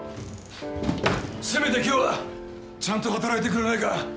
せめて今日はちゃんと働いてくれないか？